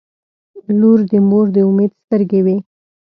• لور د مور د امید سترګې وي.